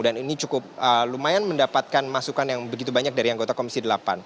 dan ini cukup lumayan mendapatkan masukan yang begitu banyak dari anggota komisi delapan